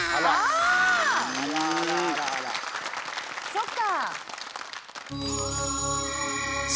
そっか。